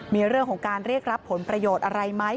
มีเรื่องของการเรียกรับผลประโยชน์อะไรไหม